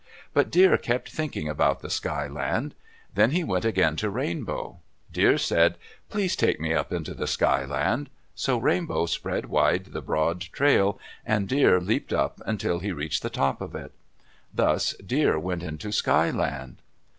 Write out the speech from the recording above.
But Deer kept thinking about the Sky Land. Then he went again to Rainbow. Deer said, "Please take me up into the Sky Land," so Rainbow spread wide the broad trail and Deer leaped up until he reached the top of it. Thus Deer went into Sky Land.